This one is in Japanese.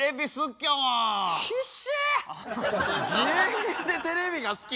芸人でテレビが好き。